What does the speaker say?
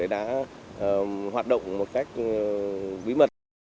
đã hoạt động một cách bí mật